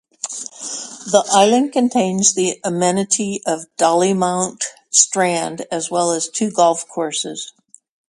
The island contains the amenity of Dollymount Strand as well as two golf courses.